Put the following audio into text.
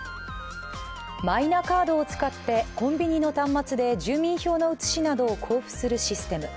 マイナカードを使ってコンビニの端末で住民票の写しなどを交付するシステム。